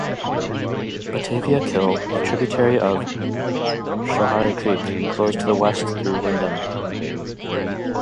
Batavia Kill, a tributary of Schoharie Creek, flows to the west through Windham.